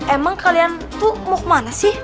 emang kalian tuh mau mana sih